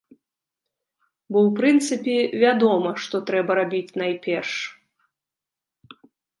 Бо, у прынцыпе, вядома што трэба рабіць найперш.